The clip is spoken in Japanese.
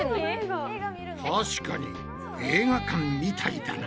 確かに映画館みたいだな。